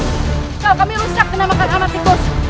salah kami rusak dinamakan anak tikus